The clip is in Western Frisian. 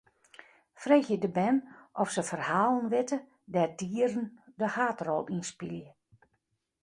Freegje de bern oft se ferhalen witte dêr't dieren de haadrol yn spylje.